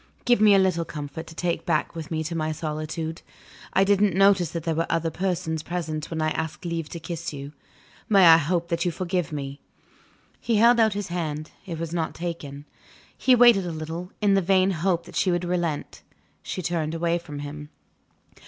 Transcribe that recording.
Give me a little comfort to take back with me to my solitude. I didn't notice that there were other persons present when I asked leave to kiss you. May I hope that you forgive me?" He held out his hand; it was not taken. He waited a little, in the vain hope that she would relent: she turned away from him.